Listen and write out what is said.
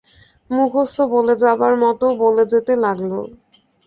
মুখস্থ বলে যাবার মতো বলে যেতে লাগল!